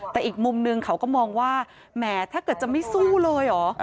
แต่อีกมุมนึงเขาก็มองว่าแหมถ้าเกิดจะไม่สู้เลยเหรอ